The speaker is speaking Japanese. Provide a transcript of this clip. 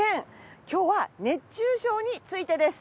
今日は熱中症についてです。